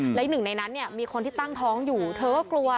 และอีกหนึ่งในนั้นเนี่ยมีคนที่ตั้งท้องอยู่เธอก็กลัว